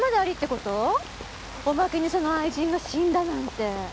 おまけにその愛人が死んだなんて。